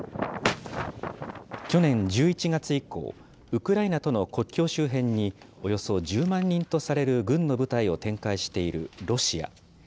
去年１１月以降、ウクライナとの国境周辺におよそ１０万人とされる軍の部隊を展開しているロシア。